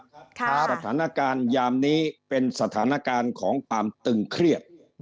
สถานการณ์ยามนี้เป็นสถานการณ์ของความตึงเครียด